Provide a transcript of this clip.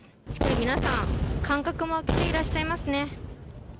皆さん間隔も空けていらっしゃいますね。